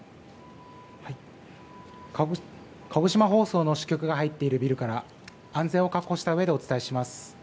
鹿児島放送の支局が入っているビルから安全を確保したうえでお伝えします。